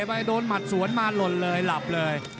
ไปโดนหมัดสวนมาหล่นเลยหลับเลย